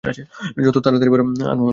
যত তাড়াতাড়ি পারো আনো।